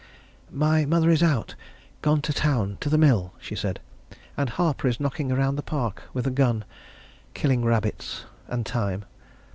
"My mother is out gone to town to the mill," she said. "And Harper is knocking around the park with a gun killing rabbits and time.